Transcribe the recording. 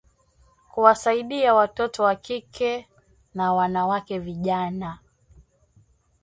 kuwasaidia watoto wa kike na wanawake vijana